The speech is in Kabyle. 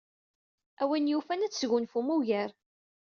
A win yufan ad tesgunfum ugar.